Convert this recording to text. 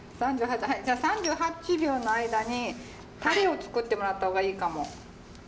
はいじゃあ３８秒の間にタレを作ってもらった方がいいかも。